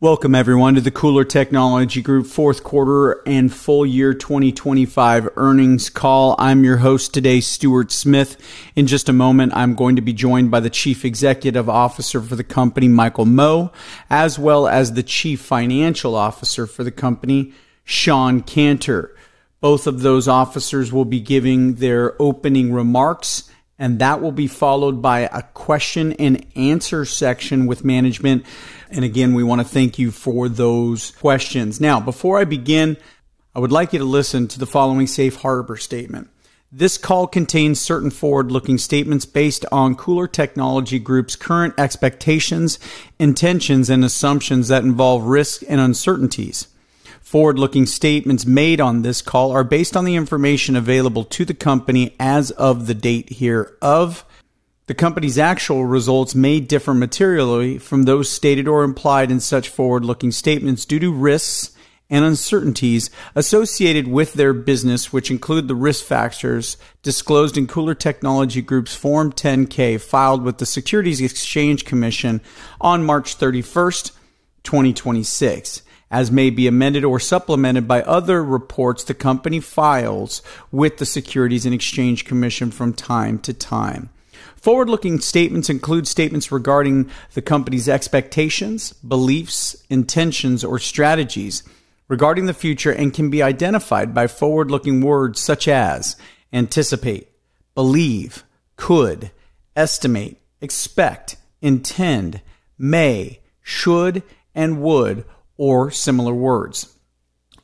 Welcome everyone to the KULR Technology Group fourth quarter and full year 2025 earnings call. I'm your host today, Stuart Smith. In just a moment, I'm going to be joined by the Chief Executive Officer for the company, Michael Mo, as well as the Chief Financial Officer for the company, Shawn Canter. Both of those officers will be giving their opening remarks, and that will be followed by a question-and-answer section with management. Again, we wanna thank you for those questions. Now, before I begin, I would like you to listen to the following safe harbor statement. This call contains certain forward-looking statements based on KULR Technology Group's current expectations, intentions, and assumptions that involve risks and uncertainties. Forward-looking statements made on this call are based on the information available to the company as of the date hereof. The company's actual results may differ materially from those stated or implied in such forward-looking statements due to risks and uncertainties associated with their business, which include the risk factors disclosed in KULR Technology Group's Form 10-K, filed with the Securities and Exchange Commission on March 31, 2026, as may be amended or supplemented by other reports the company files with the Securities and Exchange Commission from time to time. Forward-looking statements include statements regarding the company's expectations, beliefs, intentions, or strategies regarding the future and can be identified by forward-looking words such as anticipate, believe, could, estimate, expect, intend, may, should, and would, or similar words.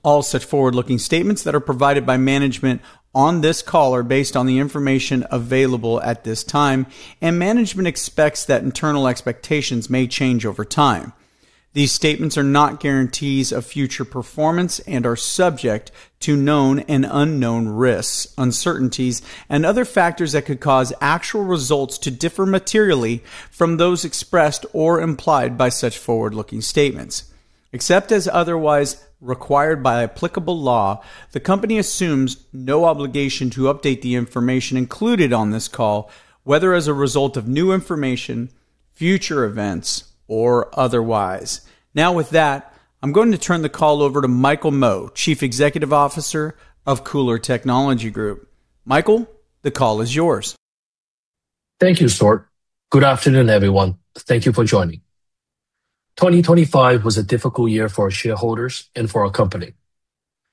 All such forward-looking statements that are provided by management on this call are based on the information available at this time, and management expects that internal expectations may change over time. These statements are not guarantees of future performance and are subject to known and unknown risks, uncertainties, and other factors that could cause actual results to differ materially from those expressed or implied by such forward-looking statements. Except as otherwise required by applicable law, the company assumes no obligation to update the information included on this call, whether as a result of new information, future events, or otherwise. Now, with that, I'm going to turn the call over to Michael Mo, Chief Executive Officer of KULR Technology Group. Michael, the call is yours. Thank you, Stuart. Good afternoon, everyone. Thank you for joining. 2025 was a difficult year for our shareholders and for our company.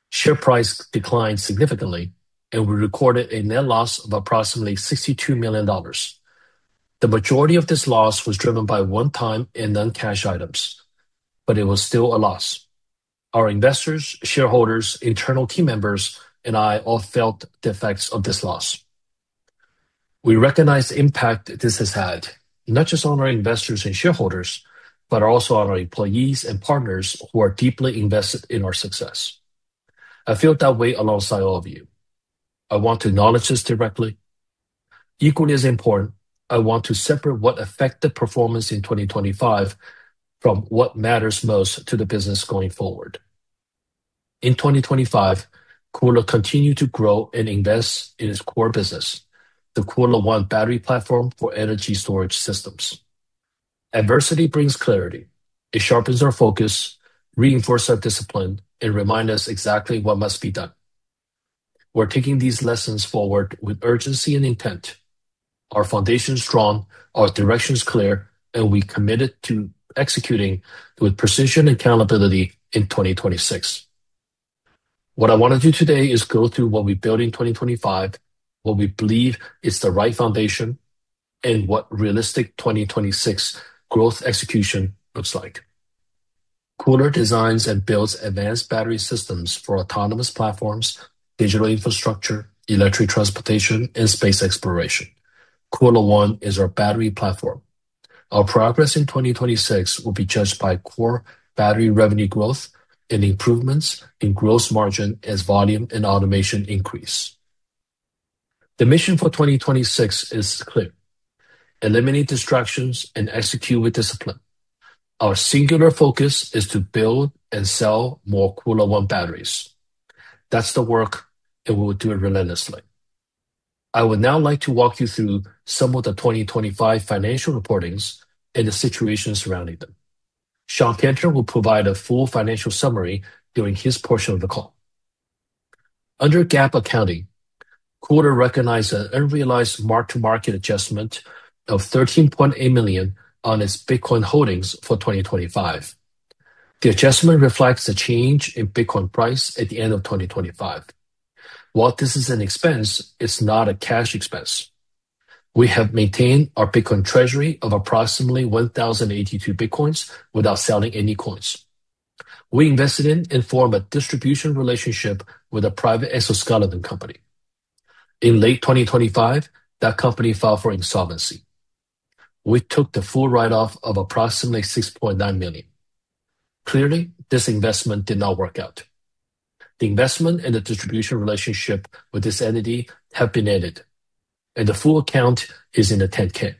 Share price declined significantly, and we recorded a net loss of approximately $62 million. The majority of this loss was driven by one-time and non-cash items, but it was still a loss. Our investors, shareholders, internal team members, and I all felt the effects of this loss. We recognize the impact this has had, not just on our investors and shareholders, but also on our employees and partners who are deeply invested in our success. I feel that way alongside all of you. I want to acknowledge this directly. Equally as important, I want to separate what affected performance in 2025 from what matters most to the business going forward. In 2025, KULR continued to grow and invest in its core business, the KULR ONE battery platform for energy storage systems. Adversity brings clarity. It sharpens our focus, reinforce our discipline, and remind us exactly what must be done. We're taking these lessons forward with urgency and intent. Our foundation is strong, our direction is clear, and we're committed to executing with precision and accountability in 2026. What I wanna do today is go through what we built in 2025, what we believe is the right foundation, and what realistic 2026 growth execution looks like. KULR designs and builds advanced battery systems for autonomous platforms, digital infrastructure, electric transportation, and space exploration. KULR ONE is our battery platform. Our progress in 2026 will be judged by core battery revenue growth and improvements in gross margin as volume and automation increase. The mission for 2026 is clear. Eliminate distractions and execute with discipline. Our singular focus is to build and sell more KULR ONE batteries. That's the work, and we will do it relentlessly. I would now like to walk you through some of the 2025 financial reportings and the situation surrounding them. Shawn Canter will provide a full financial summary during his portion of the call. Under GAAP accounting, KULR recognized an unrealized mark-to-market adjustment of $13.8 million on its Bitcoin holdings for 2025. The adjustment reflects the change in Bitcoin price at the end of 2025. While this is an expense, it's not a cash expense. We have maintained our Bitcoin treasury of approximately 1,082 Bitcoins without selling any coins. We invested in and formed a distribution relationship with a private Eskom company. In late 2025, that company filed for insolvency. We took the full write-off of approximately $6.9 million. Clearly, this investment did not work out. The investment and the distribution relationship with this entity have been ended, and the full account is in the 10-K.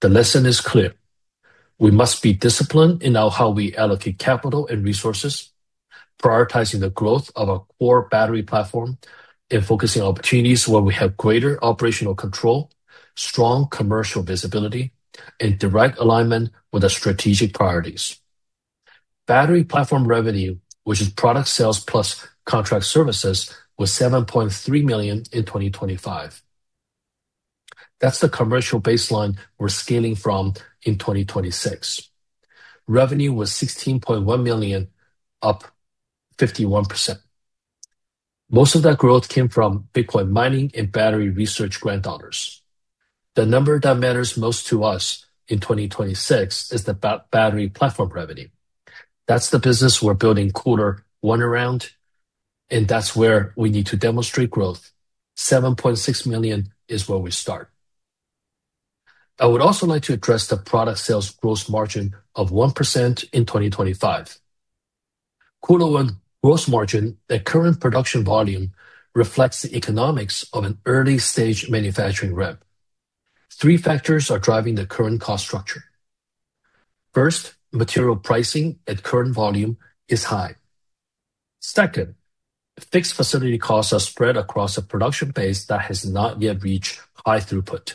The lesson is clear. We must be disciplined in how we allocate capital and resources. Prioritizing the growth of our core battery platform and focusing on opportunities where we have greater operational control, strong commercial visibility, and direct alignment with the strategic priorities. Battery platform revenue, which is product sales plus contract services, was $7.3 million in 2025. That's the commercial baseline we're scaling from in 2026. Revenue was $16.1 million, up 51%. Most of that growth came from Bitcoin mining and battery research grant dollars. The number that matters most to us in 2026 is the battery platform revenue. That's the business we're building KULR ONE around, and that's where we need to demonstrate growth. $7.6 million is where we start. I would also like to address the product sales gross margin of 1% in 2025. KULR ONE gross margin at current production volume reflects the economics of an early-stage manufacturing ramp. Three factors are driving the current cost structure. First, material pricing at current volume is high. Second, fixed facility costs are spread across a production base that has not yet reached high throughput.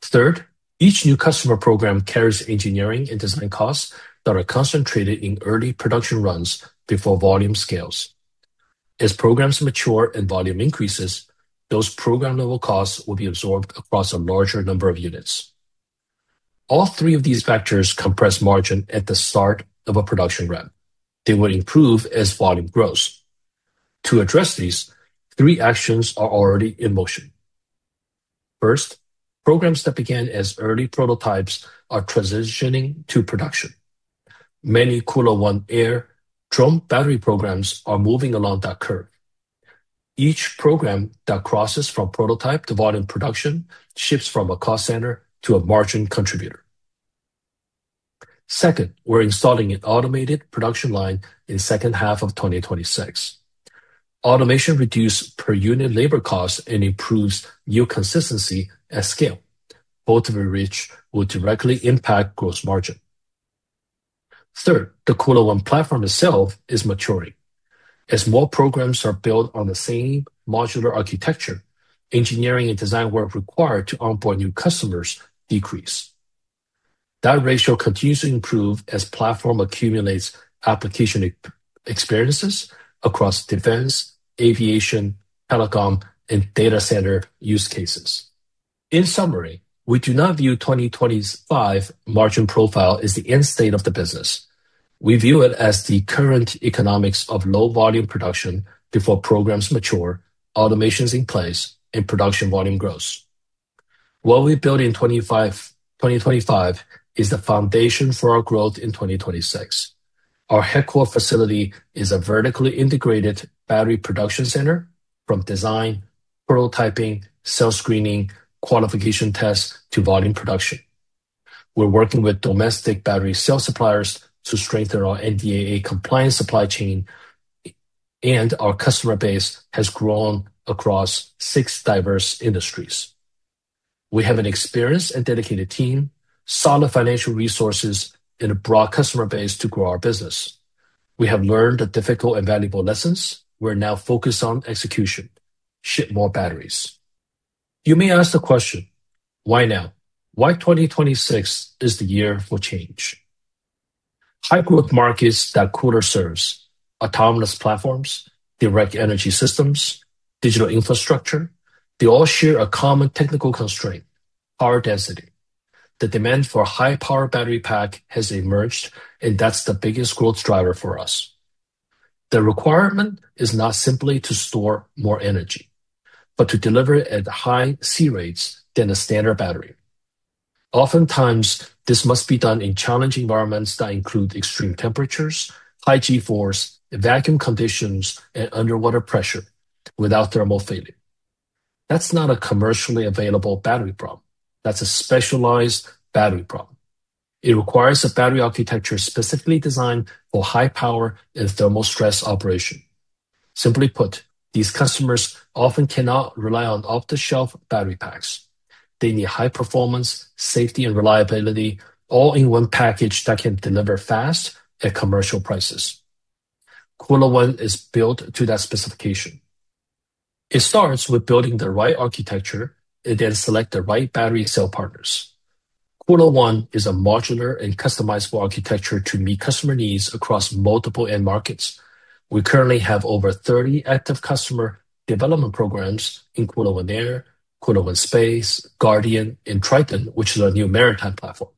Third, each new customer program carries engineering and design costs that are concentrated in early production runs before volume scales. As programs mature and volume increases, those program level costs will be absorbed across a larger number of units. All three of these factors compress margin at the start of a production run. They will improve as volume grows. To address these, three actions are already in motion. First, programs that began as early prototypes are transitioning to production. Many KULR ONE Air drone battery programs are moving along that curve. Each program that crosses from prototype to volume production shifts from a cost center to a margin contributor. Second, we're installing an automated production line in second half of 2026. Automation reduce per unit labor costs and improves yield consistency at scale, both of which will directly impact gross margin. Third, the KULR ONE platform itself is maturing. As more programs are built on the same modular architecture, engineering and design work required to onboard new customers decrease. That ratio continues to improve as platform accumulates application experiences across defense, aviation, telecom, and data center use cases. In summary, we do not view 2025's margin profile as the end state of the business. We view it as the current economics of low volume production before programs mature, automation's in place, and production volume grows. What we built in 2025 is the foundation for our growth in 2026. Our headquarters facility is a vertically integrated battery production center from design, prototyping, cell screening, qualification tests, to volume production. We're working with domestic battery cell suppliers to strengthen our NDAA compliance supply chain, and our customer base has grown across six diverse industries. We have an experienced and dedicated team, solid financial resources, and a broad customer base to grow our business. We have learned the difficult and valuable lessons. We're now focused on execution. Ship more batteries. You may ask the question, why now? Why 2026 is the year for change? High-growth markets that KULR serves, autonomous platforms, direct energy systems, digital infrastructure, they all share a common technical constraint, power density. The demand for high-power battery pack has emerged, and that's the biggest growth driver for us. The requirement is not simply to store more energy, but to deliver at higher C-rates than a standard battery. Oftentimes, this must be done in challenging environments that include extreme temperatures, high G-force, vacuum conditions, and underwater pressure without thermal failure. That's not a commercially available battery problem. That's a specialized battery problem. It requires a battery architecture specifically designed for high power and thermal stress operation. Simply put, these customers often cannot rely on off-the-shelf battery packs. They need high performance, safety, and reliability all in one package that can deliver fast at commercial prices. KULR ONE is built to that specification. It starts with building the right architecture and then select the right battery cell partners. KULR ONE is a modular and customizable architecture to meet customer needs across multiple end markets. We currently have over 30 active customer development programs in KULR ONE Air, KULR ONE Space, KULR ONE Guardian, and Triton, which is our new maritime platform.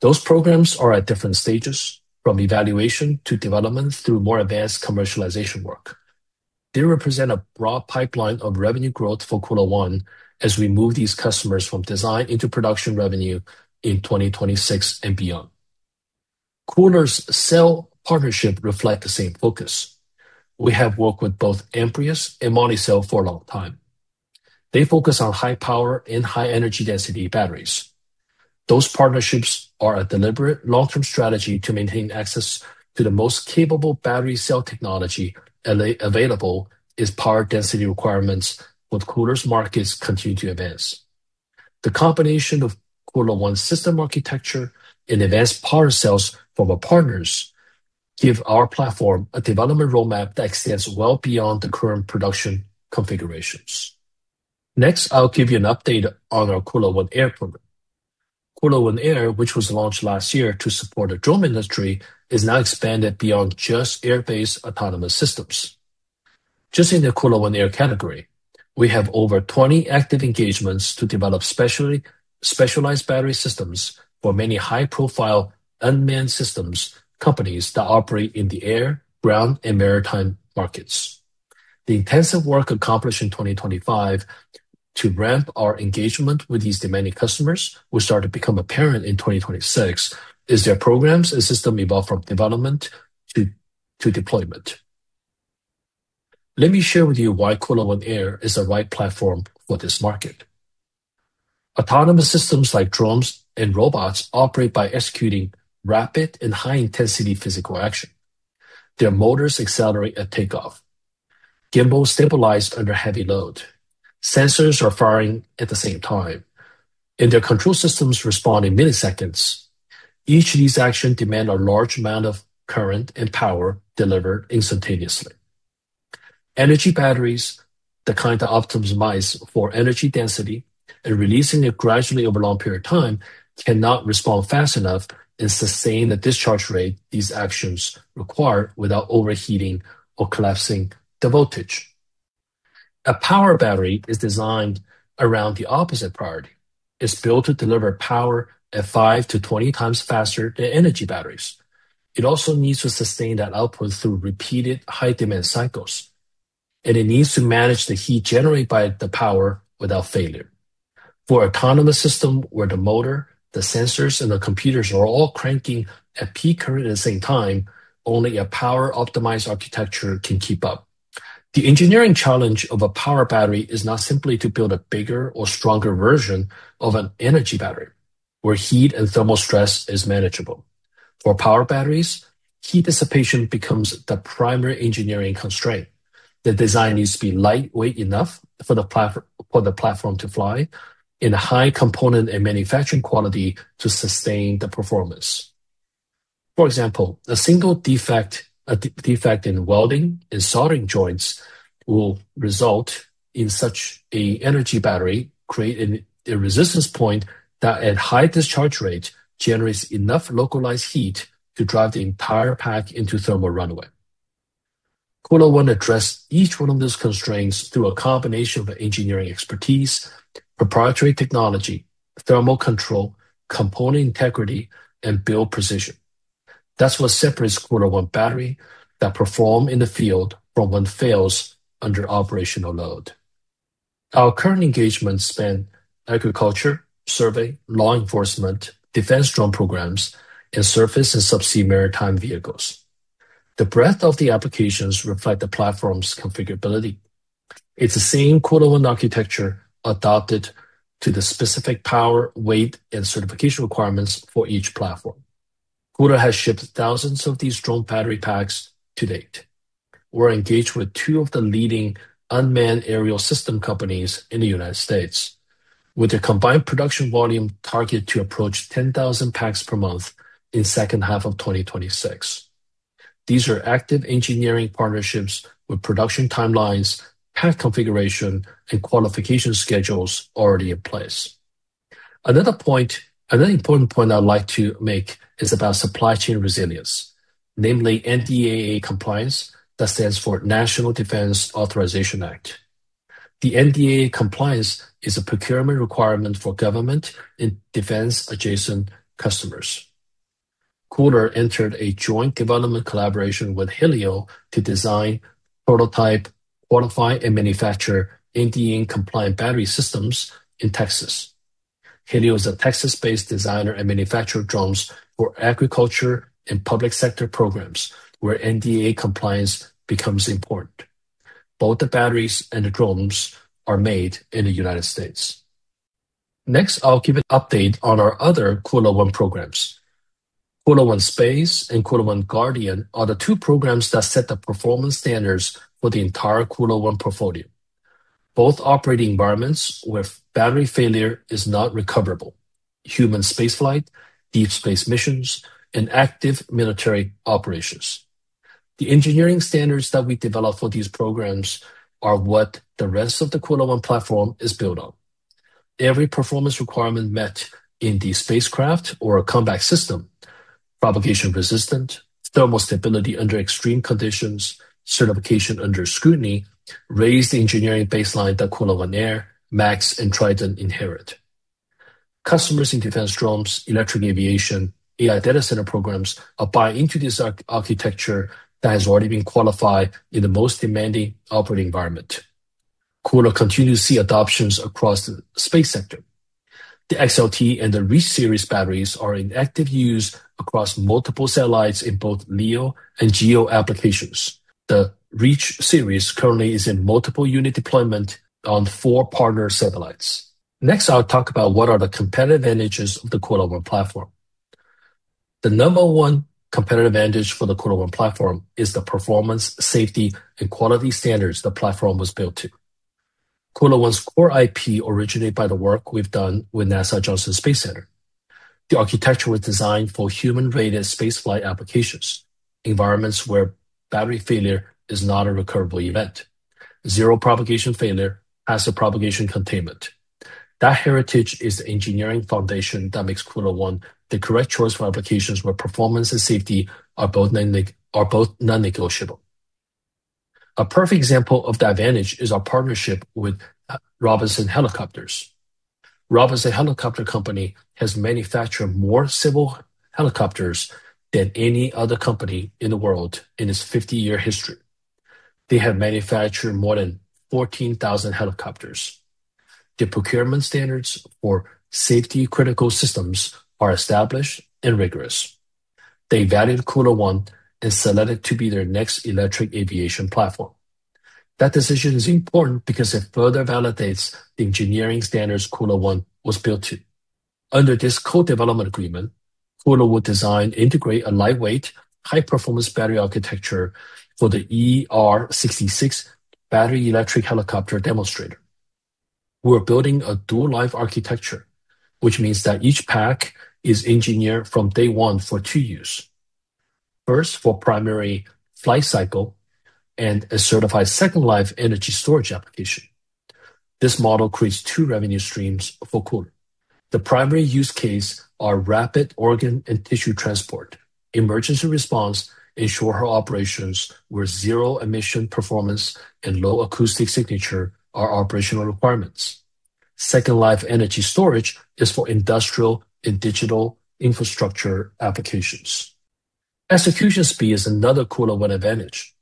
Those programs are at different stages, from evaluation to development through more advanced commercialization work. They represent a broad pipeline of revenue growth for KULR ONE as we move these customers from design into production revenue in 2026 and beyond. KULR's cell partnerships reflect the same focus. We have worked with both Amprius and Molicel for a long time. They focus on high power and high energy density batteries. Those partnerships are a deliberate long-term strategy to maintain access to the most capable battery cell technology available as power density requirements with KULR's markets continue to advance. The combination of KULR ONE system architecture and advanced power cells from our partners give our platform a development roadmap that extends well beyond the current production configurations. Next, I'll give you an update on our KULR ONE Air program. KULR ONE Air, which was launched last year to support the drone industry, is now expanded beyond just air-based autonomous systems. Just in the KULR ONE Air category, we have over 20 active engagements to develop specialized battery systems for many high-profile unmanned systems companies that operate in the air, ground, and maritime markets. The intensive work accomplished in 2025 to ramp our engagement with these demanding customers will start to become apparent in 2026 as their programs and system evolve from development to deployment. Let me share with you why KULR ONE Air is the right platform for this market. Autonomous systems like drones and robots operate by executing rapid and high-intensity physical action. Their motors accelerate at takeoff, gimbals stabilize under heavy load, sensors are firing at the same time, and their control systems respond in milliseconds. Each of these action demand a large amount of current and power delivered instantaneously. Energy batteries, the kind that optimize for energy density and releasing it gradually over a long period of time, cannot respond fast enough and sustain the discharge rate these actions require without overheating or collapsing the voltage. A power battery is designed around the opposite priority. It's built to deliver power at 5x to 20x faster than energy batteries. It also needs to sustain that output through repeated high-demand cycles, and it needs to manage the heat generated by the power without failure. For autonomous system where the motor, the sensors, and the computers are all cranking at peak current at the same time, only a power-optimized architecture can keep up. The engineering challenge of a power battery is not simply to build a bigger or stronger version of an energy battery where heat and thermal stress is manageable. For power batteries, heat dissipation becomes the primary engineering constraint. The design needs to be lightweight enough for the platform to fly and high component and manufacturing quality to sustain the performance. For example, a single defect in welding and soldering joints will result in such a high-energy battery creating a resistance point that at high discharge rate generates enough localized heat to drive the entire pack into thermal runaway. KULR ONE addresses each one of those constraints through a combination of engineering expertise, proprietary technology, thermal control, component integrity, and build precision. That's what separates KULR ONE batteries that perform in the field from ones that fail under operational load. Our current engagements span agriculture, survey, law enforcement, defense drone programs, and surface and sub-sea maritime vehicles. The breadth of the applications reflects the platform's configurability. It's the same KULR ONE architecture adapted to the specific power, weight, and certification requirements for each platform. KULR has shipped thousands of these drone battery packs to date. We're engaged with two of the leading unmanned aerial system companies in the United States, with a combined production volume target to approach 10,000 packs per month in second half of 2026. These are active engineering partnerships with production timelines, pack configuration, and qualification schedules already in place. Another point, another important point I'd like to make is about supply chain resilience, namely NDAA compliance. That stands for National Defense Authorization Act. The NDAA compliance is a procurement requirement for government and defense-adjacent customers. KULR entered a joint development collaboration with Hylio to design, prototype, qualify, and manufacture NDAA-compliant battery systems in Texas. Hylio is a Texas-based designer and manufacturer of drones for agriculture and public sector programs where NDAA compliance becomes important. Both the batteries and the drones are made in the United States. Next, I'll give an update on our other KULR ONE programs. KULR ONE Space and KULR ONE Guardian are the two programs that set the performance standards for the entire KULR ONE portfolio for both operating environments where battery failure is not recoverable: human spaceflight, deep space missions, and active military operations. The engineering standards that we develop for these programs are what the rest of the KULR ONE platform is built on. Every performance requirement met in the spacecraft or a combat system, propagation resistant, thermal stability under extreme conditions, certification under scrutiny, raises the engineering baseline that KULR ONE Air, Max, and Triton inherit. Customers in defense drones, electric aviation, AI data center programs are buying into this architecture that has already been qualified in the most demanding operating environment. KULR continues to see adoptions across the space sector. The XLT and the Reach series batteries are in active use across multiple satellites in both LEO and GEO applications. The Reach series currently is in multiple unit deployment on four partner satellites. Next, I'll talk about what are the competitive advantages of the KULR ONE platform. The number one competitive advantage for the KULR ONE platform is the performance, safety, and quality standards the platform was built to. KULR ONE's core IP originated by the work we've done with NASA Johnson Space Center. The architecture was designed for human-rated space flight applications, environments where battery failure is not a recoverable event. Zero propagation failure, asset propagation containment. That heritage is the engineering foundation that makes KULR ONE the correct choice for applications where performance and safety are both non-negotiable. A perfect example of the advantage is our partnership with Robinson Helicopter Company. Robinson Helicopter Company has manufactured more civil helicopters than any other company in the world in its 50-year history. They have manufactured more than 14,000 helicopters. Their procurement standards for safety-critical systems are established and rigorous. They evaluated KULR ONE and selected to be their next electric aviation platform. That decision is important because it further validates the engineering standards KULR ONE was built to. Under this co-development agreement, KULR will design, integrate a lightweight, high-performance battery architecture for the eR66 battery electric helicopter demonstrator. We're building a dual life architecture, which means that each pack is engineered from day one for two use. First, for primary flight cycle and a certified second life energy storage application. This model creates two revenue streams for KULR. The primary use case are rapid organ and tissue transport, emergency response, and short haul operations where zero emission performance and low acoustic signature are operational requirements. Second life energy storage is for industrial and digital infrastructure applications. Execution speed is another KULR ONE advantage.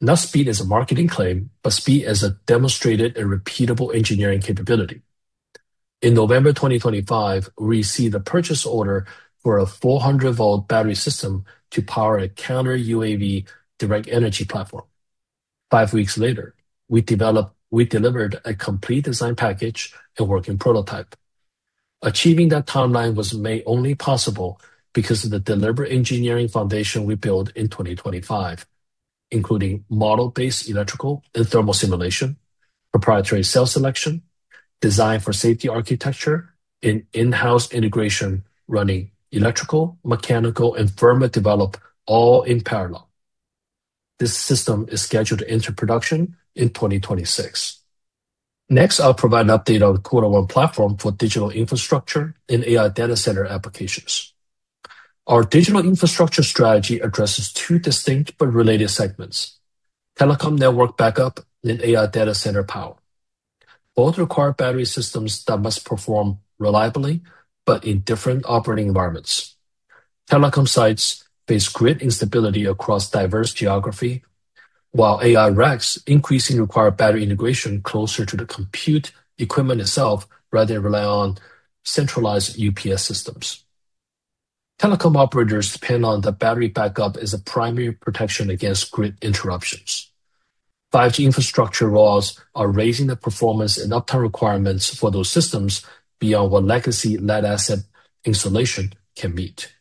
Not speed as a marketing claim, but speed as a demonstrated and repeatable engineering capability. In November 2025, we received a purchase order for a 400-volt battery system to power a counter-UAV directed-energy platform. Five weeks later, we delivered a complete design package and working prototype. Achieving that timeline was made only possible because of the deliberate engineering foundation we built in 2025, including model-based electrical and thermal simulation, proprietary cell selection, design-for-safety architecture, and in-house integration running electrical, mechanical, and firmware developed all in parallel. This system is scheduled to enter production in 2026. Next, I'll provide an update on the KULR ONE platform for digital infrastructure and AI data center applications. Our digital infrastructure strategy addresses two distinct but related segments, telecom network backup and AI data center power. Both require battery systems that must perform reliably but in different operating environments. Telecom sites face grid instability across diverse geography, while AI racks increasingly require battery integration closer to the compute equipment itself, rather than rely on centralized UPS systems. Telecom operators depend on the battery backup as a primary protection against grid interruptions. 5G infrastructure rollouts are raising the performance and uptime requirements for those systems beyond what legacy lead-acid installations can meet.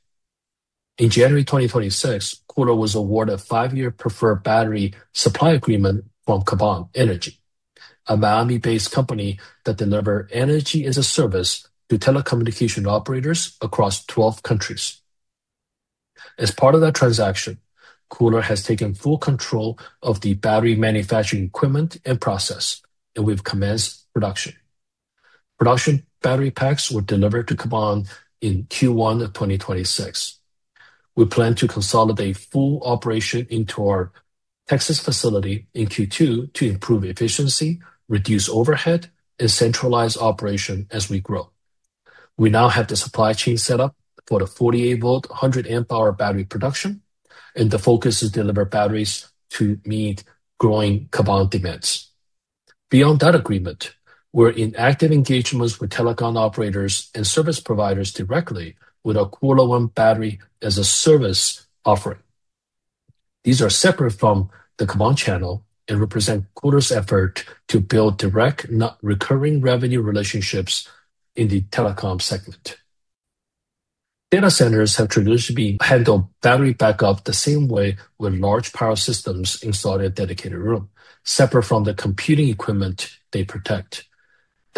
In January 2026, KULR was awarded a five-year preferred battery supply agreement from Caban Energy, a Miami-based company that deliver energy-as-a-service to telecommunication operators across 12 countries. As part of that transaction, KULR has taken full control of the battery manufacturing equipment and process, and we've commenced production. Production battery packs were delivered to Caban in Q1 of 2026. We plan to consolidate full operation into our Texas facility in Q2 to improve efficiency, reduce overhead, and centralize operation as we grow. We now have the supply chain set up for the 48 volt, 100 amp hour battery production, and the focus is to deliver batteries to meet growing Caban demands. Beyond that agreement, we're in active engagements with telecom operators and service providers directly with our KULR ONE Battery-as-a-Service offering. These are separate from the Caban channel and represent KULR's effort to build direct non-recurring revenue relationships in the telecom segment. Data centers have traditionally handled battery backup the same way, with large power systems installed in a dedicated room, separate from the computing equipment they protect.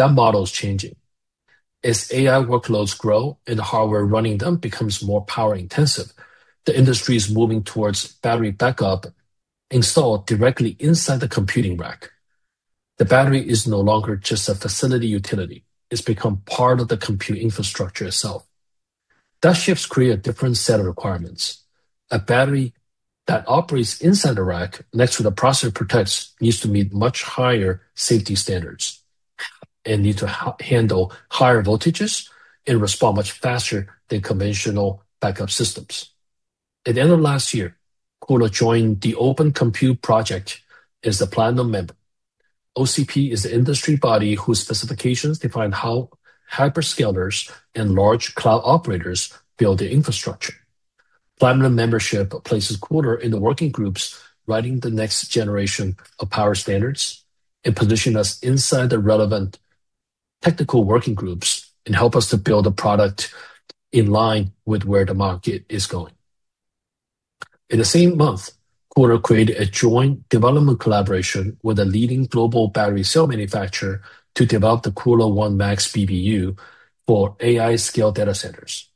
That model is changing. As AI workloads grow and the hardware running them becomes more power intensive, the industry is moving towards battery backup installed directly inside the computing rack. The battery is no longer just a facility utility. It's become part of the compute infrastructure itself. That shift creates a different set of requirements. A battery that operates inside the rack next to the processor it protects needs to meet much higher safety standards and needs to handle higher voltages and respond much faster than conventional backup systems. At the end of last year, KULR joined the Open Compute Project as the platinum member. OCP is the industry body whose specifications define how hyperscalers and large cloud operators build the infrastructure. Platinum membership places KULR in the working groups writing the next generation of power standards and positions us inside the relevant technical working groups and helps us to build a product in line with where the market is going. In the same month, KULR created a joint development collaboration with a leading global battery cell manufacturer to develop the KULR ONE Max PBU for AI scale data centers.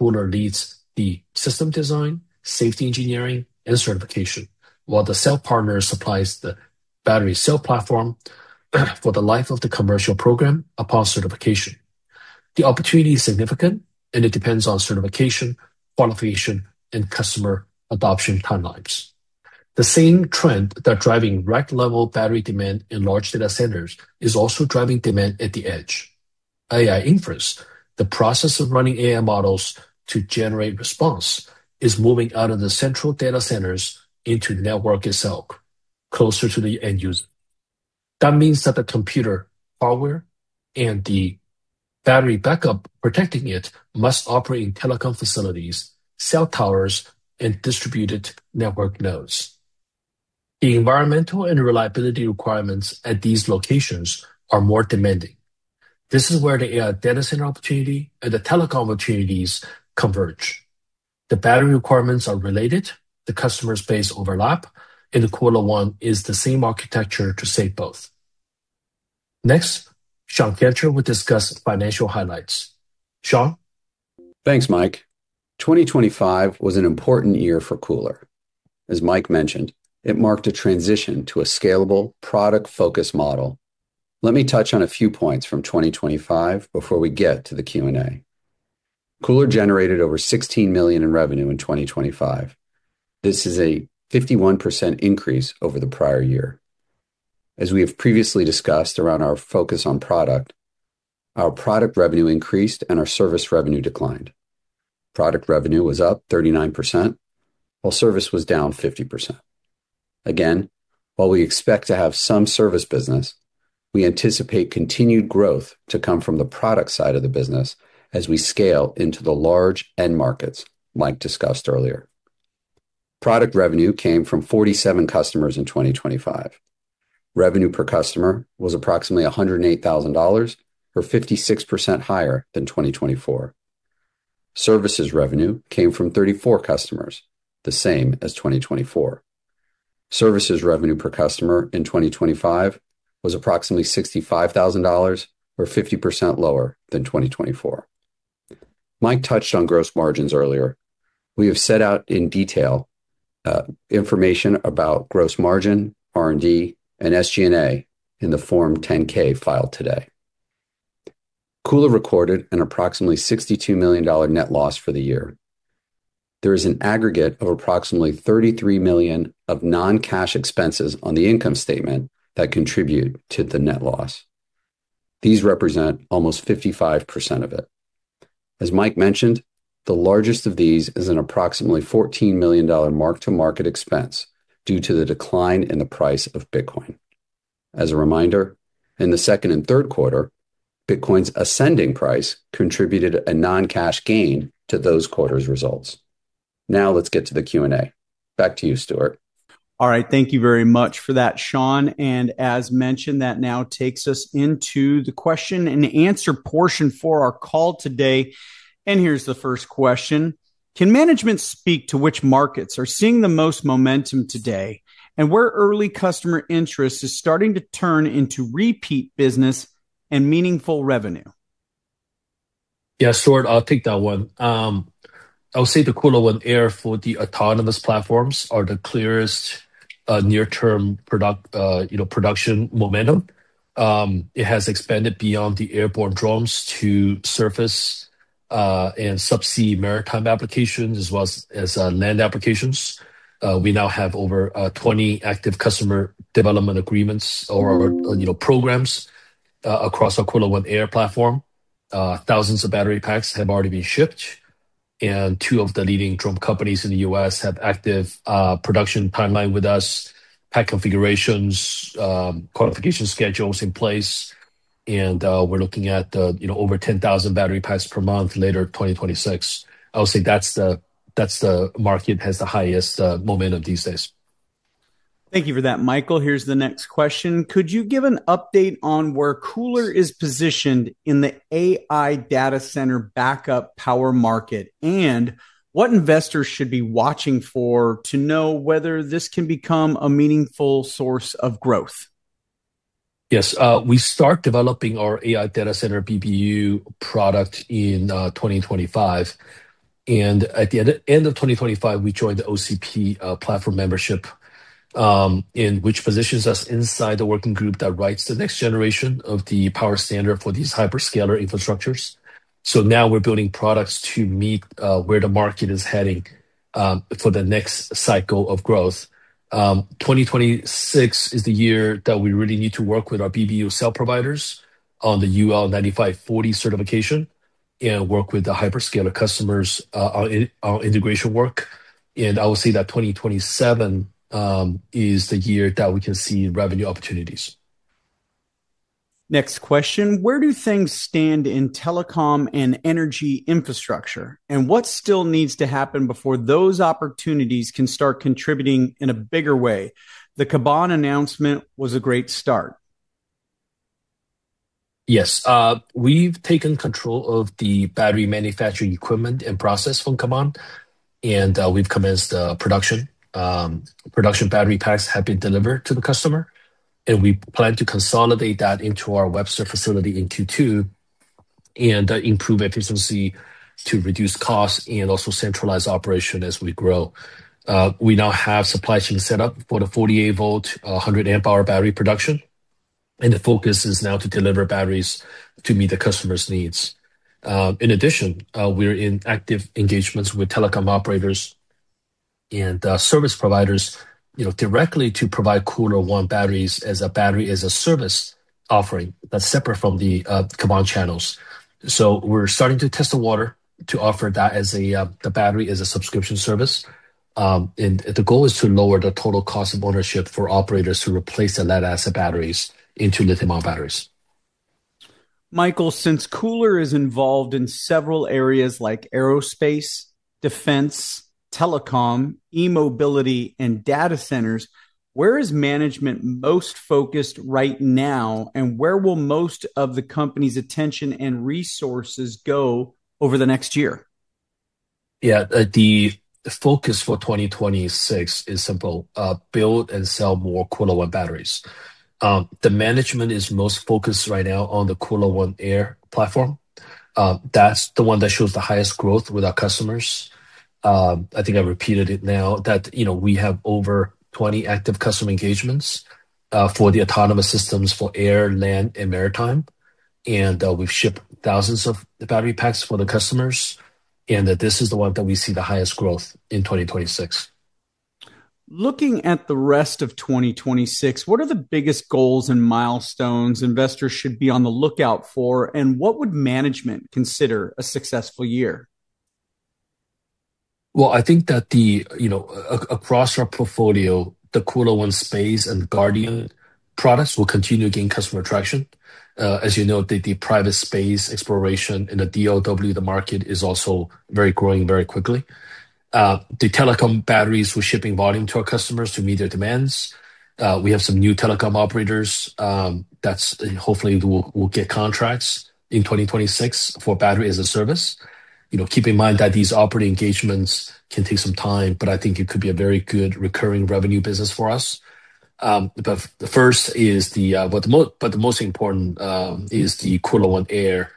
KULR leads the system design, safety engineering, and certification, while the cell partner supplies the battery cell platform for the life of the commercial program upon certification. The opportunity is significant, and it depends on certification, qualification, and customer adoption timelines. The same trend that is driving rack-level battery demand in large data centers is also driving demand at the edge. AI inference, the process of running AI models to generate response, is moving out of the central data centers into the network itself, closer to the end user. That means that the computer hardware and the battery backup protecting it must operate in telecom facilities, cell towers, and distributed network nodes. The environmental and reliability requirements at these locations are more demanding. This is where the AI data center opportunity and the telecom opportunities converge. The battery requirements are related, the customers' base overlap, and the KULR ONE is the same architecture to save both. Next, Shawn Canter will discuss financial highlights. Shawn? Thanks, Mike. 2025 was an important year for KULR. As Mike mentioned, it marked a transition to a scalable product-focused model. Let me touch on a few points from 2025 before we get to the Q&A. KULR generated over $16 million in revenue in 2025. This is a 51% increase over the prior year. As we have previously discussed around our focus on product, our product revenue increased and our service revenue declined. Product revenue was up 39%, while service was down 50%. Again, while we expect to have some service business, we anticipate continued growth to come from the product side of the business as we scale into the large end markets Mike discussed earlier. Product revenue came from 47 customers in 2025. Revenue per customer was approximately $108,000 or 56% higher than 2024. Services revenue came from 34 customers, the same as 2024. Services revenue per customer in 2025 was approximately $65,000 or 50% lower than 2024. Mike touched on gross margins earlier. We have set out in detail, information about gross margin, R&D, and SG&A in the Form 10-K, filed today. KULR recorded an approximately $62 million net loss for the year. There is an aggregate of approximately $33 million of non-cash expenses on the income statement that contribute to the net loss. These represent almost 55% of it. As Mike mentioned, the largest of these is an approximately $14 million mark-to-market expense due to the decline in the price of Bitcoin. As a reminder, in the second and third quarter, Bitcoin's ascending price contributed a non-cash gain to those quarters' results. Now let's get to the Q&A. Back to you, Stuart. All right. Thank you very much for that, Shawn Canter. As mentioned, that now takes us into the question and answer portion for our call today. Here's the first question: Can management speak to which markets are seeing the most momentum today, and where early customer interest is starting to turn into repeat business and meaningful revenue? Yeah, Stuart, I'll take that one. I'll say the KULR ONE Air for the autonomous platforms are the clearest, near-term product, you know, production momentum. It has expanded beyond the airborne drones to surface and subsea maritime applications as well as land applications. We now have over 20 active customer development agreements or, you know, programs, across our KULR ONE Air platform. Thousands of battery packs have already been shipped, and two of the leading drone companies in the U.S. have active production timeline with us, pack configurations, qualification schedules in place, and we're looking at, you know, over 10,000 battery packs per month later 2026. I'll say that's the market has the highest momentum these days. Thank you for that, Michael. Here's the next question. Could you give an update on where KULR is positioned in the AI data center backup power market, and what investors should be watching for to know whether this can become a meaningful source of growth? Yes. We start developing our AI data center PBU product in 2025. At the end of 2025, we joined the OCP platform membership, and which positions us inside the working group that writes the next generation of the power standard for these hyperscaler infrastructures. Now we're building products to meet where the market is heading for the next cycle of growth. 2026 is the year that we really need to work with our PBU cell providers on the UL 9540 certification and work with the hyperscaler customers on integration work. I will say that 2027 is the year that we can see revenue opportunities. Next question. Where do things stand in telecom and energy infrastructure, and what still needs to happen before those opportunities can start contributing in a bigger way? The Caban announcement was a great start. Yes. We've taken control of the battery manufacturing equipment and process from Caban, and we've commenced production. Production battery packs have been delivered to the customer, and we plan to consolidate that into our Webster facility in Q2 and improve efficiency to reduce costs and also centralize operation as we grow. We now have supply chain set up for the 48-volt, 100 amp-hour battery production, and the focus is now to deliver batteries to meet the customers' needs. In addition, we're in active engagements with telecom operators and service providers, you know, directly to provide KULR ONE batteries as a battery-as-a-service offering that's separate from the Caban channels. We're starting to test the water to offer that as a the battery-as-a-subscription service. The goal is to lower the total cost of ownership for operators to replace the lead-acid batteries into lithium-ion batteries. Michael, since KULR is involved in several areas like aerospace, defense, telecom, e-mobility, and data centers, where is management most focused right now, and where will most of the company's attention and resources go over the next year? Yeah. The focus for 2026 is simple, build and sell more KULR ONE batteries. The management is most focused right now on the KULR ONE Air platform. That's the one that shows the highest growth with our customers. I think I repeated it now that, you know, we have over 20 active customer engagements for the autonomous systems for air, land, and maritime. We've shipped thousands of the battery packs for the customers, and that this is the one that we see the highest growth in 2026. Looking at the rest of 2026, what are the biggest goals and milestones investors should be on the lookout for, and what would management consider a successful year? Well, I think that, you know, across our portfolio, the KULR ONE Space and KULR ONE Guardian products will continue to gain customer traction. As you know, the private space exploration in the DOD, the market is also growing very quickly. The telecom batteries, we're shipping volume to our customers to meet their demands. We have some new telecom operators, and hopefully we'll get contracts in 2026 for battery-as-a-service. You know, keep in mind that these operating engagements can take some time, but I think it could be a very good recurring revenue business for us. The most important is the KULR ONE Air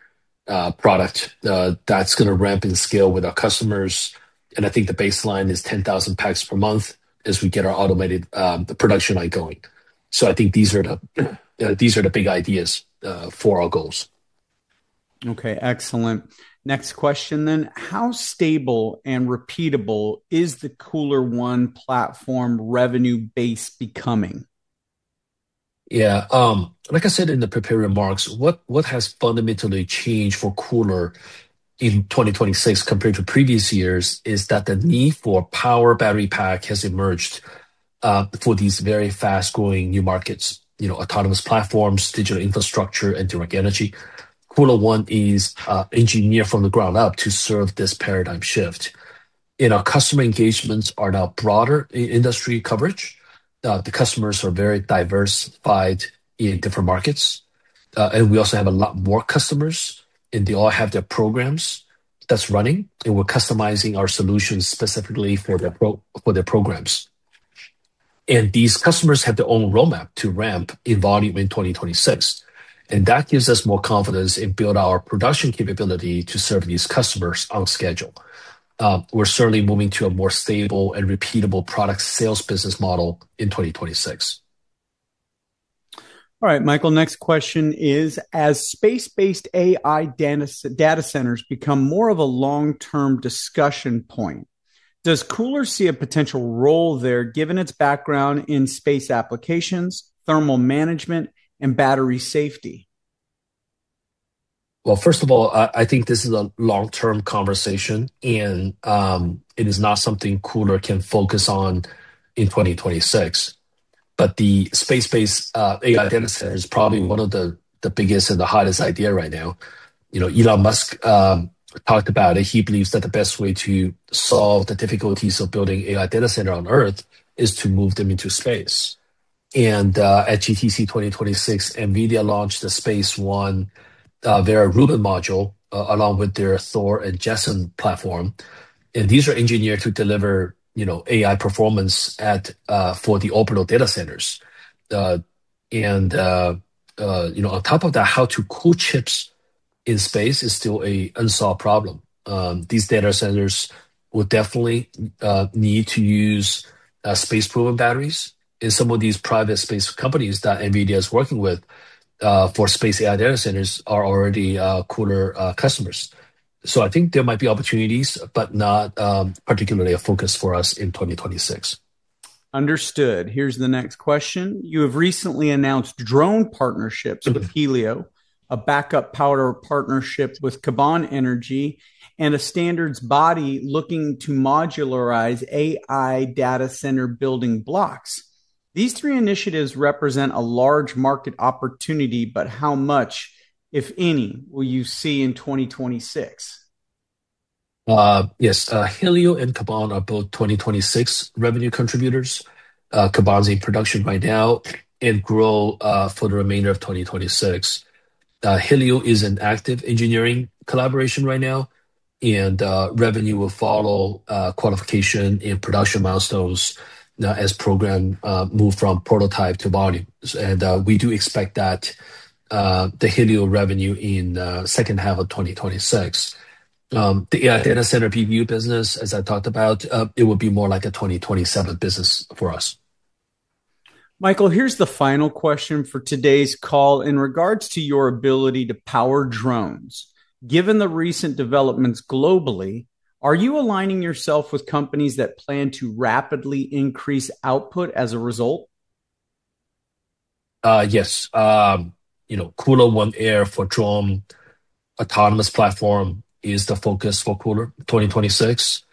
product. That's gonna ramp in scale with our customers, and I think the baseline is 10,000 packs per month as we get our automated production line going. I think these are the big ideas for our goals. Okay, excellent. Next question. How stable and repeatable is the KULR ONE platform revenue base becoming? Yeah. Like I said in the prepared remarks, what has fundamentally changed for KULR in 2026 compared to previous years is that the need for power battery pack has emerged for these very fast-growing new markets, you know, autonomous platforms, digital infrastructure, and direct energy. KULR ONE is engineered from the ground up to serve this paradigm shift. Our customer engagements are now broader industry coverage. The customers are very diversified in different markets. And we also have a lot more customers, and they all have their programs that's running, and we're customizing our solutions specifically for their programs. These customers have their own roadmap to ramp in volume in 2026. That gives us more confidence and build our production capability to serve these customers on schedule. We're certainly moving to a more stable and repeatable product sales business model in 2026. All right, Michael, next question is, as space-based AI data centers become more of a long-term discussion point, does KULR see a potential role there given its background in space applications, thermal management, and battery safety? Well, first of all, I think this is a long-term conversation, and it is not something KULR can focus on in 2026. The space-based AI data center is probably one of the biggest and the hottest idea right now. You know, Elon Musk talked about it. He believes that the best way to solve the difficulties of building AI data center on Earth is to move them into space. At GTC 2026, NVIDIA launched the Space1, their Rubin module, along with their Thor and Jetson platform. These are engineered to deliver, you know, AI performance at for the orbital data centers. You know, on top of that, how to cool chips in space is still an unsolved problem. These data centers will definitely need to use space-proven batteries. Some of these private space companies that NVIDIA is working with for space AI data centers are already KULR customers. I think there might be opportunities, but not particularly a focus for us in 2026. Understood. Here's the next question. You have recently announced drone partnerships with Hylio, a backup power partnership with Caban Energy, and a standards body looking to modularize AI data center building blocks. These three initiatives represent a large market opportunity, but how much, if any, will you see in 2026? Yes, Hylio and Caban are both 2026 revenue contributors. Caban's in production right now and growth for the remainder of 2026. Hylio is an active engineering collaboration right now, and revenue will follow qualification and production milestones as the program moves from prototype to volume. We do expect that the Hylio revenue in H2 of 2026. The AI data center PBU business, as I talked about, it would be more like a 2027 business for us. Michael, here's the final question for today's call. In regards to your ability to power drones, given the recent developments globally, are you aligning yourself with companies that plan to rapidly increase output as a result? Yes. You know, KULR ONE Air for drone autonomous platform is the focus for KULR 2026.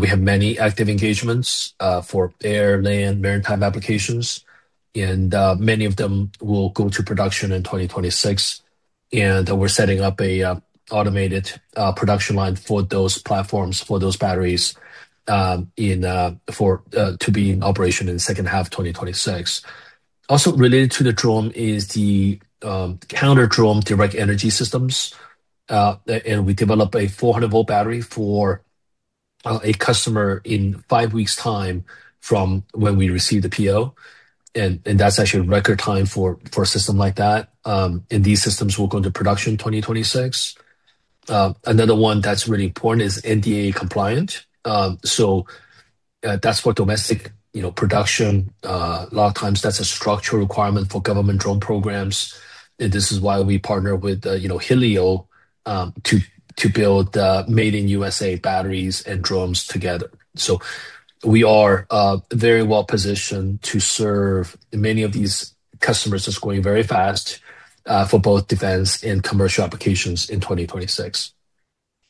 We have many active engagements for air, land, maritime applications, and many of them will go to production in 2026. We're setting up a automated production line for those platforms, for those batteries, to be in operation in H2 2026. Also related to the drone is the counter-drone direct energy systems. We developed a 400-volt battery for a customer in five weeks time from when we received the PO. That's actually record time for a system like that. These systems will go into production 2026. Another one that's really important is NDAA compliant. That's for domestic, you know, production. A lot of times that's a structural requirement for government drone programs. This is why we partner with, you know, Hylio, to build Made in USA batteries and drones together. We are very well positioned to serve many of these customers that's growing very fast for both defense and commercial applications in 2026.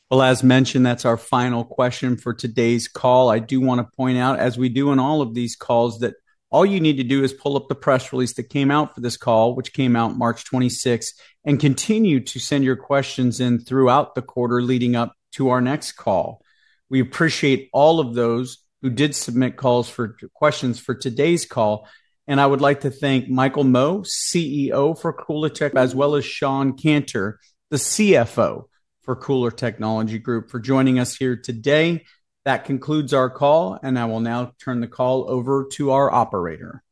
Well, as mentioned, that's our final question for today's call. I do wanna point out, as we do on all of these calls, that all you need to do is pull up the press release that came out for this call, which came out March 26, and continue to send your questions in throughout the quarter leading up to our next call. We appreciate all of those who did submit questions for today's call. I would like to thank Michael Mo, CEO for KULR Technology Group, as well as Shawn Canter, the CFO for KULR Technology Group, for joining us here today. That concludes our call, and I will now turn the call over to our operator.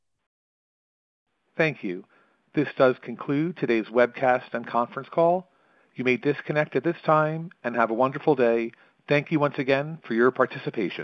Thank you. This does conclude today's webcast and conference call. You may disconnect at this time, and have a wonderful day. Thank you once again for your participation.